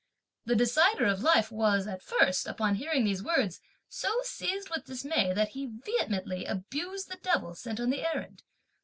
The Decider of life was, at first, upon hearing these words, so seized with dismay that he vehemently abused the devils sent on the errand.